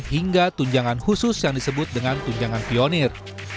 hingga tunjangan khusus yang disebut dengan tunjangan pionir